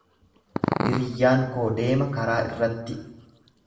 Hiriyyaan koo deema karaa irratti.